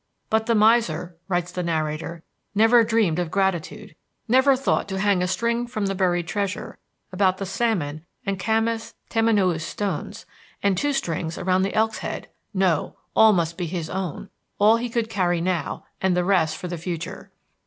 "But the miser," writes the narrator, "never dreamed of gratitude, never thought to hang a string from the buried treasure about the salmon and camas tamanoüs stones, and two strings around the elk's head; no, all must be his own, all he could carry now, and the rest for the future."